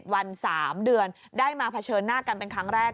วัน๓เดือนได้มาเผชิญหน้ากันเป็นครั้งแรก